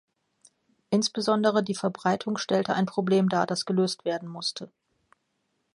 Insbesondere die Verbreitung stellte ein Problem dar, das gelöst werden musste.